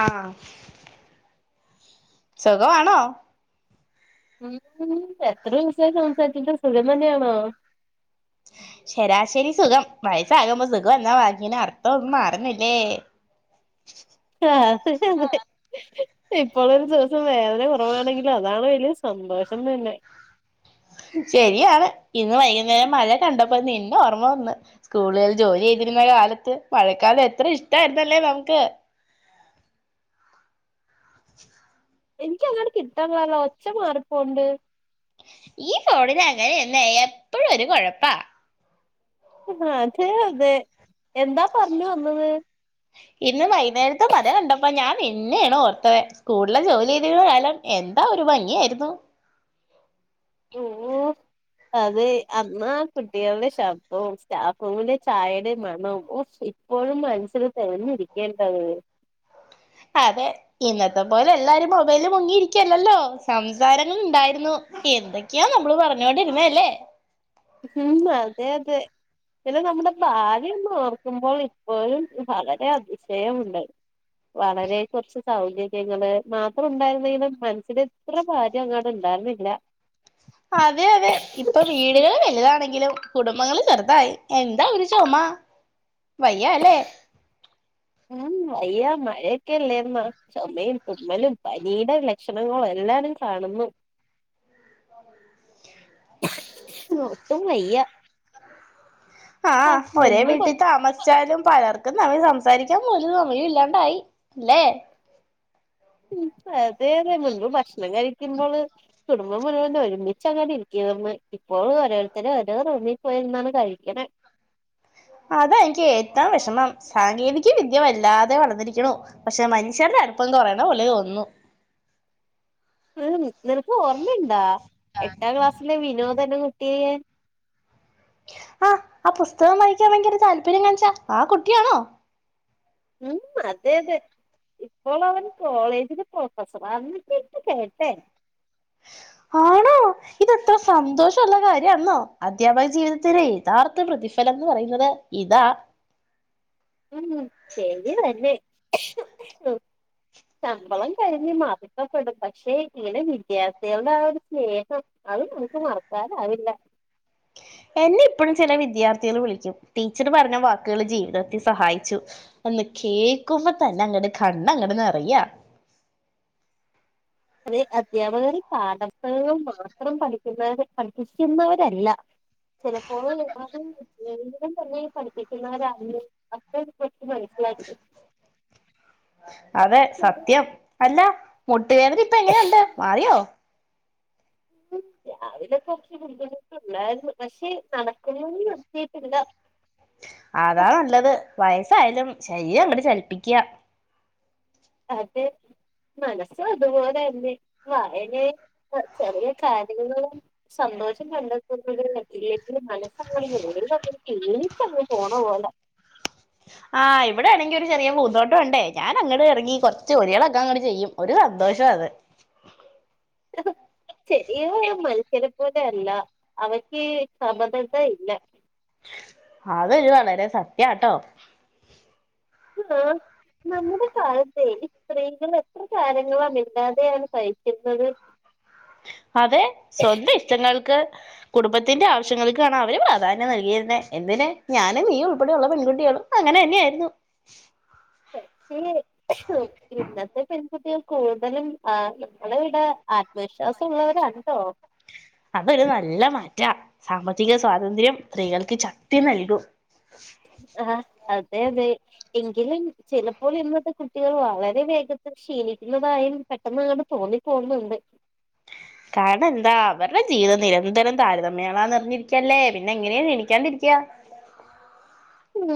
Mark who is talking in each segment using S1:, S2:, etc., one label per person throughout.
S1: ആ സുഖമാണോ
S2: ഉം എത്ര ദൂസായി [unintelligible] സത്യത്തിൽ സുഖതന്നെ ആണോ
S1: ശരാശരി സുഖം. വയസാകുമ്പോ സുഖം എന്നവാക്കിന് അർത്ഥൊന്നും അറിഞ്ഞില്ലേ.
S2: ആ അതെ ഇപ്പോള ഒരു ദിവസം വേദന കുറവാണെങ്കിലും അതാണ് വലിയ സന്തോഷം തന്നെ.
S1: ശരിയാണ് ഇന്ന് വൈകുന്നേരം മഴ കണ്ടപ്പോ നിന്ന ഓർമ്മ വന്ന് സ്കൂളുകിൽ ജോലി ചെയ്തിരുന്ന കാലത്ത് മഴക്കാലം എത്ര ഇഷ്ടായിരുന്നല്ലേ നമുക്ക്.
S2: എനിക്ക അങ്ങട്ട് കിട്ടാണിലാല്ലോ ഒച്ച മാറിപ്പോണൊണ്ട്.
S1: ഈ കോഡിന അങ്ങനെന്നാ എപ്പോഴും ഒരു കുഴപ്പാ.
S2: ആതെ അതെ എന്താ പറഞ്ഞു വന്നത്
S1: ഇന്ന് വൈകുന്നേരത്ത് മഴകണ്ടപ്പ ഞാൻ പിന്നെയാണ് ഓർത്തത് സ്കൂളിലെ ജോലി ചെയ്തി കാലം എന്താ ഒരു ഭംഗിയായിരുന്നു.
S2: ഓ അത് അന്നാ കുട്ടികളുടെ ശബദവും സ്റ്റാഫ്റൂമിലെ ചായയുടെ മണവും ഒ ഇപ്പോഴും മനസ്സിൽ തെരഞ്ഞിരിക്കേണ്ടേ
S1: അതെ ഇന്നത്തെ പോലെ എല്ലാരും മൊബൈല മുങ്ങിയിരിക്കല്ലല്ലോ സംസാരങ്ങളുണ്ടായിരുന്നു എന്തൊക്കെയാ നമ്മള് പറഞ്ഞോണ്ടിരുന്നല്ലേ.
S2: ഉം അതെ അതെ പിന്നെ നമ്മുടെ ഭാഗ്യം ഓർക്കുമ്പോൾ ഇപ്പോഴും വളരെ അതിശയമുണ്ട് വളരെ കുറച്ച് സൗകര്യങ്ങള് മാത്രം ഉണ്ടായിരുന്നെങ്കിലും മനസ്സില് ഇത്ര ഭാരം അങ്ങോട്ട ഇണ്ടായിരുന്നില്ല.
S1: ലും കുടുംബങ്ങള് ചെറുതായി. എന്താ ഉ ചോമ്മ വയ്യ അല്ലേ?
S2: ഉം വയ്യ മഴയൊക്കെല്ലേന്ന് ചുമയും തുമ്മലും പനിയുടെ ലക്ഷണങ്ങളും എല്ലാരും കാണുന്നു. ഒട്ടും വയ്യ ആ
S1: ആഹ് ഒരേ
S2: മുൻമ്പ് ഡോ
S1: വീട്ടിൽ താമസിച്ചാലും പലർക്കും നമ്മൾ സംസാരിക്കാൻ പോലും സമയല്ലാണ്ടായി അല്ലെ?
S2: ഉം അതേതെ മുൻപ് ഭക്ഷണം കഴിക്കുമ്പോള് കുടുംബം മുഴുവൻ ഒരുമിച്ചങ്ങട്ടിരിക്കുവാരുന്നു. ഇപ്പോഴ് ഓരോരുത്തര് ഓരോ റൂമിൽ പ്പോയിരുന്നാണ് കഴിക്കണെ
S1: അത എനിക്ക് ഏറ്റവും വിഷമം സാങ്കേതിക വിദ്യ വല്ലാതെ വളർന്നിരിക്കണു. പക്ഷെ മനുഷ്യരുടെ അടുപ്പം കുറയണ പോല തോന്നുന്നു.
S2: ആ നിനക്ക് ഓർമ്മിണ്ടാ എട്ടാം ക്ലാസ്സിലെ വിനോദെന്ന കുട്ടിയേ?
S1: ആഹ് ആ പുസ്തകം വായിക്കാൻ ഭയങ്കര താല്പര്യം കാണിച്ച ആ കുട്ടിയാണോ?
S2: ഉം അതെ അതെ ഇപ്പോൾ അവൻ കോളേജില് പ്രൊഫസറാന്നക്കയ കേട്ടെ.
S1: ആണോ ഇതെത്ര സന്തോഷൊള്ള കാര്യെന്നോ അദ്ധ്യാപക ജീവിതത്തിന്റെ യഥാർത്ഥ പ്രതിഫലന്ന് പറയുന്നത് ഇതാ.
S2: ഉം ശരി തന്നെ ശമ്പളം കഴിഞ്ഞ് മറക്കപ്പെടും പക്ഷെ ഈടെ വിദ്യാർത്ഥികളുടെ ആ ഒരു സ്നേഹം അത് നമുക്ക് മറക്കാനാവില്ല.
S1: എന്നെ ഇപ്പഴും ചില വിദ്യാർത്ഥികള് വിളിക്കും ടീച്ചറ് പറഞ്ഞ വാക്കുകൾ ജീവിതത്തിൽ സഹായിച്ചു ഒന്ന് കേക്കുമ്പോ തന്നെ അങ്ങട്ട് കണ്ണ് അങ്ങട്ട് നിറയ.
S2: അതെ അദ്ധ്യാപകര് പാഠപുസ്തങ്ങൾ മാത്രം പഠിക്കുന്നവർ പഠിപ്പിക്കുന്നവരല്ല ചിലപ്പോഴ് [unintelligible] ജീവിതം തന്നെ പഠിപ്പിക്കുന്നവരാകില്ലെ [unintelligible]
S1: അതെ സത്യം അല്ല വേദന ഇപ്പ എങ്ങനെയുണ്ട് മാറിയോ?
S2: ഉം രാവിലെ കുറച്ച് ബുദ്ധിമുട്ടുണ്ടായിരുന്നു പക്ഷെ നടക്കുന്നത് നിത്തിട്ടില്ല.
S1: അതാ നല്ലത് വയസ്സായാലും ശരീരം അങ്ങട് ചലിപ്പിക്കുക.
S2: അതെ മനസ്സു അതുപോലെ തന്നെ വായനേ ചെറിയ കാര്യങ്ങളും സന്തോഷം കണ്ടെത്തുന്നവരല്ലേ. മനസ്സ [unintelligible] പോണ പോലെ.
S1: ആ ഇവിടെ ആണെങ്കിൽ ഒരു ചെറിയ പൂന്തോട്ടം ഒണ്ടേ ഞാൻ അങ്ങട്ട് ഇറങ്ങി കൊറച്ച് ജോലികളൊക്കെ അങ്ങട്ട് ചെയ്യും ഒരു സന്തോഷാത്.
S2: ചെറിയ മത്സരം പോലെ അല്ല അവയ്ക്ക് സൊമതത്ത ഇല്ല.
S1: അതൊരു വളരെ സത്യാട്ടോ.
S2: ആ നമ്മുടെ കാലത്ത് സ്ത്രീകൾ എത്ര കാര്യങ്ങള മിണ്ടാതെ അങ്ങട്സഹിച്ചിര്ന്നത്.
S1: അതെ സ്വന്തം ഇഷ്ടങ്ങൾക്ക് കുടുംബത്തിന്റെ ആവശ്യങ്ങൾക്കാണ് അവര് പ്രാധാന്യം നൽകിരുന്നെ എന്തിന് ഞാനും നീയും ഉൾപ്പെടെയുള്ള പെൺകുട്ടികളും അങ്ങനെയന്നെആയിരുന്നു
S2: പക്ഷേ ഇന്നത്തെ പെൺകുട്ടികൾ കൂടുതലും ആ നമ്മുൾ ഇവിടെ ആത്മവിശ്വാസം ഉള്ളവരാണ് ട്ടോ
S1: റ്റ സാമ്പത്തിക സ്വാതന്ത്ര്യം സ്ത്രീകൾക്ക് ചക്തി നൽകും
S2: ആ അതെതെ എങ്കിലും ചിലപ്പോൾ ഇന്നത്തെ കുട്ടികൾ വളരെ വേഗത്തിൽ ക്ഷീണിക്കുന്നതായും പെട്ടെന്നാണ് തോന്നിപ്പോന്നുണ്ട്
S1: കാരണം എന്താ അവരുടെ ജീവിതം നിരന്തരം താരതമ്യളാന്ന്റിഞ്ഞിരിക്കല്ലേ പിന്നെ എങ്ങനെയ ക്ഷീണിക്കാണ്ടരിക്യാ
S2: ഉം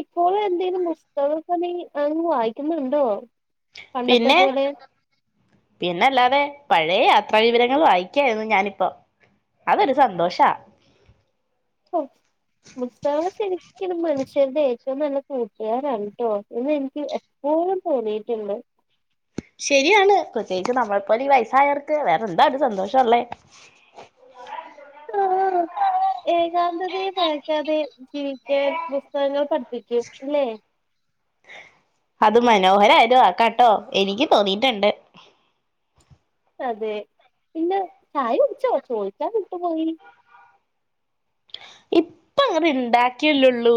S2: ഇപ്പോൾ എന്തെലും പുസ്തക പണി അങ്ങ് വായിക്കുന്നുണ്ടോ പണ്ടത്തെ
S1: പിന്നെ
S2: പോലെ
S1: പിന്നല്ലാതെ പഴയ യാത്രാ വിവരങ്ങൾ വായിക്കായിരുന്നു ഞാനിപ്പോ അതൊരു സന്തോഷാ
S2: ഉൽസവം ശരിക്കും മനുഷ്യരുടെ ഒക്കെ നല്ല കൂട്ടുകാര ആണ് ട്ടോ ഇന്ന് എനിക്ക് എപ്പോഴും തോന്നീയിട്ടുണ്ട്
S1: ശരിയാണ് പ്രത്യേകിച്ച് നമ്മളെപ്പോല ഈ വയസായവർക്ക് വേറെ എന്താ ഒരു സന്തോഷ ഉള്ളേ
S2: ആ ഏകാന്തതയെ ഭയക്കാതെ ചിരിക്കാൻ പുസ്തകങ്ങൾ പഠിപ്പിക്കും ഇല്ലേ
S1: അത് മനോഹരായൊരു വാക്കാ ട്ടോ എനിക്ക് തോന്നീട്ടുണ്ട്.
S2: അതെ പിന്നെ ചായ കുടിച്ചോ? ചോദിക്കാൻ വിട്ടുപോയി.
S1: ഇപ്പ അങ്ങട് ഇണ്ടാ ക്കി ല്ലേല്ലുള്ളൂ.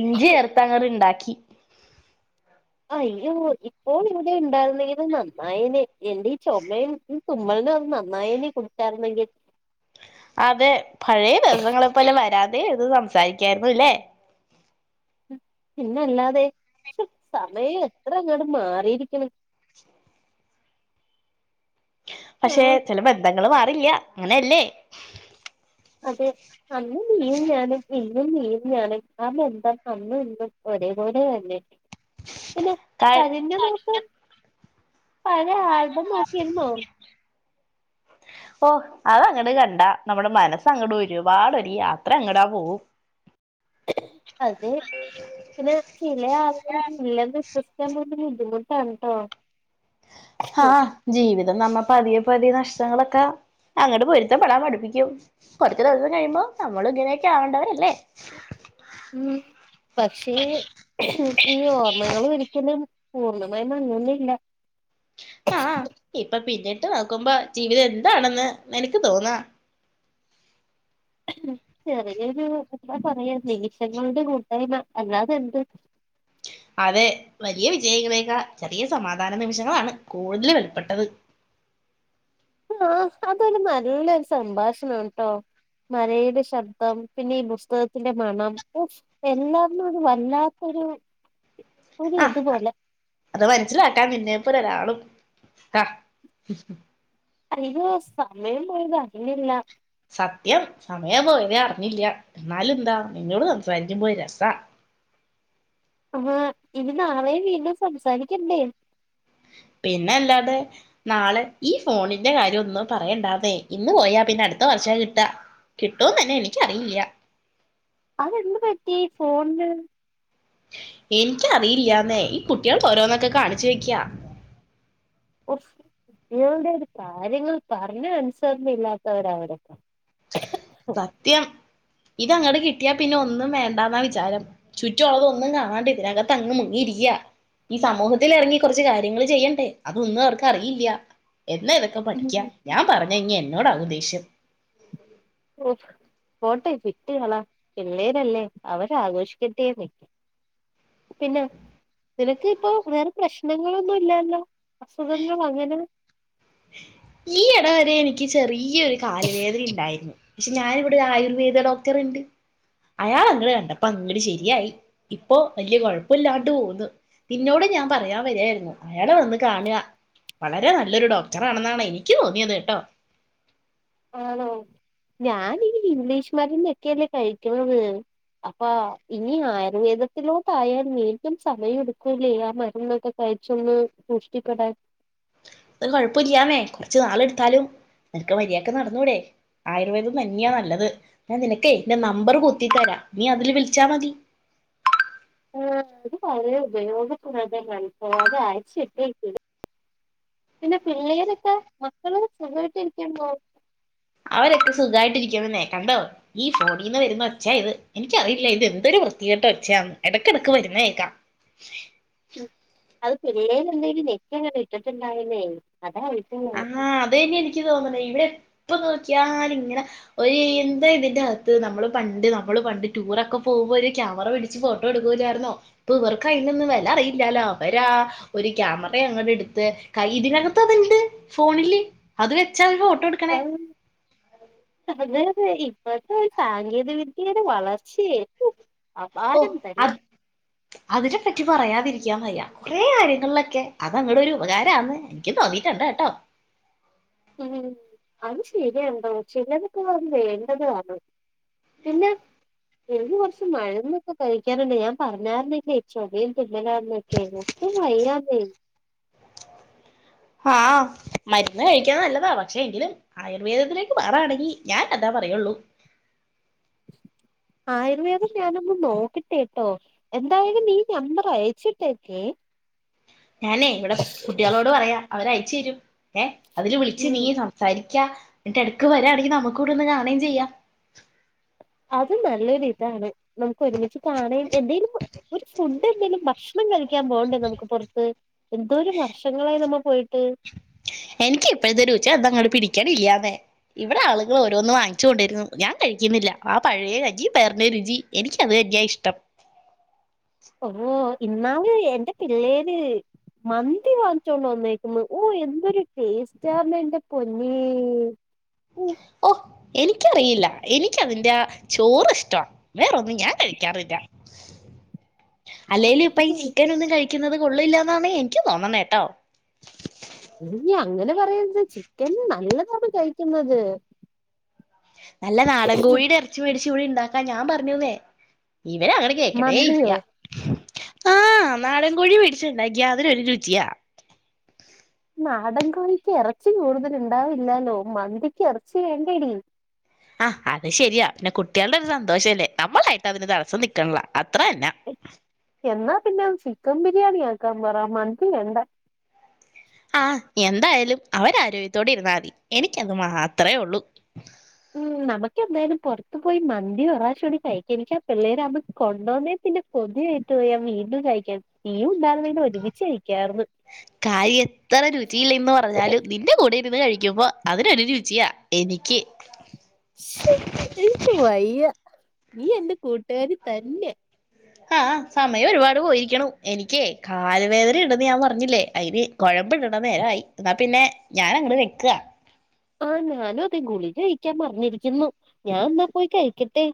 S1: ഇഞ്ചി ചേർത്ത് അങ്ങട് ണ്ടാകി ഇ
S2: അയ്യോ ഇപ്പോൾ ഇവിടെ ഉണ്ടായിരുന്നെങ്കില് നന്നായേനെ എന്റെ ഈ ചുമയും തുമ്മളിന് ഒന്ന് നന്നായേനെ കുടിച്ചായിരുന്നെങ്കിൽ.
S1: അതെ പഴയ ദിവസങ്ങളിപ്പോലെ വരാന്തെ ഇരുന്ന് സംസാരിക്കായിരുന്നുല്ലേ
S2: പിന്ന അല്ലാതെ ക്ഷെ സമയം എത്ര അങ്ങട് മാറിയിരിക്ക്ണ്.
S1: പക്ഷെ ചില ബന്ധങ്ങള് മാ ഇല്ല അങ്ങനെയല്ലേ?
S2: അതെ അന്ന് നീയും ഞാനും പി [unintelligible] നീയും ഞാനും നാം എന്താ അന്നും ഇന്നും ഒരേപോലെ അല്ലെ പിന്നെ
S1: ക
S2: കരുഞ്ഞ നോക്കൂ പഴയ ആൽബം നോക്കിയിരുന്നോ?
S1: ഓ അത് അങ്ങട് കണ്ടാ നമ്മുടെ മനസ്സങ്ങട് ഒരുപാട് ഒരു യാത്ര അങ്ങടാ പോവും.
S2: അതെ പിന്ന ചില [unintelligible] ബുദ്ധിമുട്ടാണ് ട്ടോ
S1: ആ ജീവിതം നമ്മപ്പതിയെ പ്പതിയ നഷ്ടങ്ങളൊക്കെ അങ്ങട് പൊരുത്തപ്പെടാൻ പഠിപ്പിക്കും. കൊറച്ച് ദിവസം കഴിയുമ്പോ നമ്മളും ഇങ്ങനെയൊക്കെ ആവണ്ടവരല്ലേ
S2: ഉം പക്ഷേ ഈ ഓർമ്മകൾ ഒരിക്കലും പൂർണ്ണമായി [unintelligible]
S1: ആ ഇപ്പൊ പിന്നെ ട്ട് നോക്കുമ്പോ ജീവിതം എന്താണെന്ന് നിനക്ക് തോന്നാ.
S2: ചെറിയൊരു ഉപ്പാ പറയാൻ നിമിഷങ്ങളുടെ കൂട്ടായ്മ അല്ലാതെന്ത്
S1: അതെ വലിയ വിജയിക്ക്ന്നേക്കാ ചെറിയ സമാധാന നിമിഷങ്ങളാണ് കൂടുതൽ വെലപ്പെട്ടത്.
S2: ആ അതൊരു നല്ല സംഭാഷണാണ് ട്ടോ മഴയുടെ ശബ്ദം പിന്നെ ഈ പുസ്തകത്തിന്റെ മണം എല്ലാന്നൊരു വല്ലാത്തൊരു ഒരു
S1: ആഹ്
S2: ഇതുപോലെ
S1: അത് മനസ്സിലാക്കാൻ നിന്നെപ്പോലെ ഒരാളും ക
S2: അയ്യോ സമയം പോയത് അറിഞ്ഞില്ല
S1: സത്യം സമയം പോയതേ അറിഞ്ഞില്ല എന്നാലും എന്താ നിന്നോട് സംസാരിക്കുമ്പോ ഒരു രസാ
S2: ആ ഇനി നാളെയും വീണ്ടും സംസാരിക്കണ്ടേ
S1: പിന്നെ അല്ലാതെ നാള് ഈ ഫോണിന്റെ കാര്യം ഒന്നും പറയണ്ടാന്നേ ഇന്ന് പോയാ പിന്നെ അടുത്ത വർഷ കിട്ടാ കിട്ടോന്ന് തന്നെ എനിക്കറിയില്ല.
S2: ഫോണ്ട്
S1: എനിക്കറിയില്ലാന്നേ ഈ കുട്ടികൾക്കോരോന്നൊക്കെ കാണിച്ചു വെക്ക്യാ
S2: ഒഫ് കുട്ടികളുടെ ഒരു കാര്യങ്ങൾ പറഞ്ഞ അനുസരണം ഇല്ലാത്തവരാ അവര്
S1: സത്യം ഇത് അങ്ങട്കിട്ടിയാ പിന്നെ ഒന്നും വേണ്ടാന്നാ വിചാരം ചുറ്റുമുള്ളതൊന്നും കാണാണ്ട് ഇതിനകത്ത് അങ്ങ് മുങ്ങി ഇരിക്ക ഈ സമൂഹത്തിൽ ഇറങ്ങി കുറച്ച് കാര്യങ്ങൾ ചെയ്യണ്ടേ അതൊന്നും അവർക്ക് അറിയില്ല. എന്നാ ഇതൊക്കെ പഠിക്കാ ഞാൻ പറഞ്ഞു നേ ഇഞ്ഞി എന്നോടാവോ ദേഷ്യം
S2: ഓ പോട്ടെ വിട്ടുകള പിള്ളേരല്ലേ അവരാ ആഘോഷിക്കട്ടെന്ന് പിന്നെ നിനക്ക് ഇപ്പൊ വേറെ പ്രശ്നങ്ങളൊന്നും ഇല്ലല്ലോ അസുഖങ്ങൾ അങ്ങനേ
S1: ഈ എടവരെ എനിക്ക് ചെറി ഈ ഒരു കാല് വേദന ഇണ്ടായിരുന്നു പക്ഷെ ഞാനിവിടെ ആയുർവേദ ഡോക്ടർ ഇണ്ട് അയാൾ അങ്ങളെ കണ്ടപ്പോ അങ്ങട് ശരിയായി ഇപ്പോ വലിയ കുഴപ്പല്ലാണ്ട് പോകുന്നു നിന്നോട് ഞാൻ പറയാൻ വരായിരുന്നു അയാള വന്ന് കാണുക വളരെ നല്ലൊരു ഡോക്ട [unintelligible] ആണെന്നാണ് എനിക്ക് തോന്നിയത്ട്ടോ
S2: ആണോ ഞാനീ ഇംഗ്ലീഷ് മരുന്നൊക്കെയല്ലേ കഴിക്ക്‌ന്നത് അപ്പൊ ഇനി ആയുർവേദത്തിലോട്ട്ട് ആയാൽ വീണ്ടും സമയ എടുക്കൂല്ലേ ആ മരുന്നൊക്കെ കഴിച്ചൊന്ന് പുഷ്ടിപ്പെടാൻ
S1: ഇപ്പം ഇത് കൊഴപ്പല്ലാന്നേ കുറച്ച് നാൾ എടുത്താലും നിനക്ക് മര്യാക്ക് നടന്നൂടെ ആയുർവേദം തന്നെയാ നല്ലത് ഞാൻ നിനക്കേ ന്റെ നമ്പർ കുത്തി തരാ നീ അതില് വിളിച്ചാ മതി
S2: ആ ഇത് വളരെ ഉപയോഗപ്പെതാമാണ് ഇപ്പോ അത് അയച്ചിട്ടേരിക്കാണ് പിന്നെ പിള്ളേരൊക്കെ മക്കള് സുഖയിട്ട് ഇരിക്കാൻ മോ
S1: അവരൊക്കെ സുഖയിട്ട് ഇരിക്കണന്നേ കണ്ടോ ഈ ഫോണീന്ന് വരുന്ന ഒച്ച ഇത് എനിക്കറിയില്ല ഇത് എന്തൊരു വൃത്തികെട്ട ഒച്ചയാന്ന് ഇടക്കിടക്ക് വരുന്ന കേക്കാം
S2: അത് പിള്ളേരന്തങ്കിലും നെക്കി അങ്ങനെ ഇട്ടിട്ടുണ്ടാവില്ലേ
S1: ആ അതേനി എനിക്ക് തോന്നണത് ഇവിടെ എ ഇപ്പൊ നോക്കിയാലും ഇങ്ങനെ ഒരു എന്താ ഇതിന്റെ അകത്ത് നമ്മളും പണ്ട് നമ്മള് പണ്ട് ടൂറൊക്കെ പോവുമ്പോ ഒരു ക്യാമറ പിടിച്ച് ഫോട്ടോ എടുകൂലായിരുന്നോ ഇപ്പൊ ഇവർക്ക അയ്നൊന്നും വെല അറിയില്ലാലോ അവരാ ഒരു ക്യാമറ അങ്ങോട്ട് ഇടുത്ത് കയ്യി ഇതിനകത്ത് അത്ണ്ട് ഫോണില് അത് വെച്ചാൽ ഒരു ഫോ
S2: ആഹ അതെ ഇപ്പത്തെ സാങ്കേതിക വിദ്യയുടെ വളർച്ചയെ
S1: ഓ
S2: അപാരം തന്നെ
S1: അത് അതിനെ പറ്റി പറയാതിരി വയ്യ കൊറെേ കാര്യങ്ങളിലൊക്കെ അതങ്ങടെ ഒരു ഉപകാരന്ന് എനക്ക് തോന്നീട്ടണ്ട് കേട്ടോ
S2: ഉം അത് ശരിയണ്ടോ ചിലരക്കെ അത് വേണ്ടതാണ് പിന്നെ എഴുവർഷം മരുന്നൊക്കെ കഴിക്കാനല്ലേ ഞാൻ പറഞ്ഞായിരുന്നില്ലേ ചൊടയും തന്നലന്നൊക്കെയരുന്നു ഒട്ടും വയ്യാന്ന്
S1: ആ മരുന്ന് കഴിക്കാൻ നല്ലതാ പക്ഷെ എങ്കിലും ആയുർവേദത്തിലേക്ക് മാറണെങ്കിൽ ഞാൻ അതാ പറയുള്ളൂ
S2: ആയുർവേദം ഞാനൊന്ന് നോക്കിട്ടെട്ടോ എന്തായാലും നീ നമ്പർ അയച്ചിട്ടേക്കേ
S1: ഞാനേ ഇവിടെ കുട്ടികളോട് പറയാ അവരായി ചിരും ഏ അതില് വിളിച്ച്
S2: ഉം
S1: നീ സംസാരി എന്നിട്ട് ഇടക്ക് വരാണെങ്കിൽ നമുക്ക് കൂടെ ഒന്ന് കാണുകയും ചെയ്യാം
S2: അത് നല്ലൊരു ഇതാണ് നമുക്ക് ഒരുമിച്ച് കാണയും എന്തെങ്കിലും ഒരു ഫുഡ് എന്തെങ്കലും ഭക്ഷണം കഴിക്കാൻ പോകണ്ടേ നമുക്ക് പുറത്ത് എന്തോര വർഷങ്ങളായി നമ്മ പോയിട്ട്
S1: എനിക്ക് ഇപ്പോഴത്തെ രുചി അത് അങ്ങട് പിടിക്കൻ ഇല്ലാന്നേ ഇവിടെ ആളുകൾ ഓരോന്നും വാങ്ങിച്ചു കൊണ്ടിരുന്നു ഞാൻ കഴിക്കുന്നില്ല ആ പഴയ കഞ്ഞി പയറിന്റെയും രുചി എനിക്ക അത് തന്നയ ഇഷ്ടം
S2: ഓ ഇന്നാല് എന്റെ പിള്ളേര് മന്തി വാങ്ങിച്ചോണ്ട് വാന്നേരിക്കുന്നു ഓ എന്തൊരു ടേസ്റ്റ് ആന്ന് എന്റെ പൊന്നേ
S1: ഓ എനിക്കറിയില്ല എനിക്കതി ല്ലാ ചോറ് ഇഷ്ടവാ വേറൊന്നും ഞൻ കഴിക്കാറില്ല ഏര്ഫ് അല്ലേല് ഇപ്പ ഈ ചിക്കൻ ഒന്നും കഴിക്ക യിക്കുന്നത് കൊള്ളില്ലന്നാണ് എനിക്ക് തോന്നനെട്ടോ
S2: ഇല്ല അങ്ങനെ പറയത് ചിക്കൻ നല്ലതാണ് കഴിക്കുന്നത്
S1: നല്ല നാടൻ കോഴിയുടെ ഇറച്ചി മേട ചൂടി ഉണ്ടാക്കാ ഞാൻ പറഞ്ഞുനേ ഈവേ അങ്ങനെ
S2: മന്തിയോ
S1: കേക്കണേയില്യ ആ നാടൻ കോഴി മേടിച്ചുണ്ടയാ അതിനൊരു രുചിയാ
S2: നാടൻകോഴിക്ക് ഇറച്ചി കൂടുതൽ ഉണ്ടാവില്ലാലോ മന്തിക്ക് ഇറച്ചി വേടെടി
S1: ആഹ് അത് ശരിയാ പിന്നെ കുട്ടികളുടെ ഒരു സന്തോഷല്ലേ നമ്മളായിട്ട് അതിന് തടസ്സം നിക്കണില്ല അത്ര തന്നാ
S2: എന്നാ പിന്നെ ചിക്കൻ ബിരിയാണി ആക്കാൻ പറ മന്തി വേണ്ട
S1: ആ എന്തായാലും അവരആരോഗ്യത്തോടെ ഇരുന്നാൽ മതി എനിക്കത് മാത്രമേ ഉള്ളൂ
S2: ഉം നമുക്ക് എന്തായാലും പുറത്തു പോയി മന്തി ഒരു വപ്രാവിശോൂടി കഴിക്കാ എനിക്കാ പിള്ളേര് കൊണ്ടുവാന്നേ പിന്നെ കൊതി ആയിട്ട് വയ്യ വീണ്ടും കഴിക്കൻ
S1: കാര്യം എത്ര രുചിയില്ലന്ന് പറഞ്ഞാലും നിന്റെ കൂടെരുന്ന് കഴിക്ക ക്കപ്പൊ അതിനൊരു രുചിയാ എനിക്ക്
S2: ശേ എനിക്ക് വയ്യ നീ എന്ത് കൂട്ട പേര് തന്നെയാ
S1: ആ സമയം ഒരുപാട് പോയിരിക്കനു എനിക്കേ കൽ വേദന ഉണ്ടന്ന് ഞാൻ പറഞ്ഞില്ലേ അതിന് കുഴമ്പ ഇണ്ടണ്ട നേരമായി എന്നാ പിന്നെ ഞാൻ അങ്ങട്ട് വെക്കുവാ
S2: ആ ഞാനുതെ ഗുളികാ കഴിക്കാൻ മറന്നിരിക്കുന്നു ഞാൻ എന്നാ പോയി കഴിക്കട്ടെ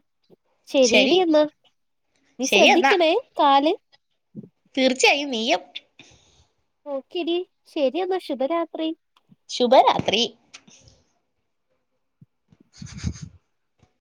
S1: ശരി
S2: ശരിടി എന്നാ നീ
S1: ശരി എന്നാ
S2: ശ്രദ്ധിക്കണേ കാല്
S1: തീർച്ചയായും നീയം
S2: ഓക്കിടി ശരിയെന്ന ശുഭരാത്രി
S1: ശുഭരാത്രി